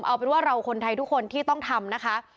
เอาเป็นว่าเราคนไทยทุกคนที่ต้องทำนะคะ